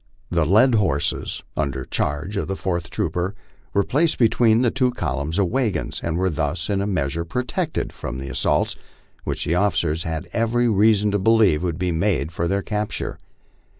The led horses, under charge of the fourth trooper, were placed between the two columns of wagons, and were thus in a measure protected from the as saults which the officers had every reason to believe would be made for their capture.